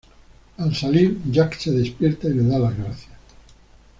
Al salir, Jack se despierta y le da las gracias.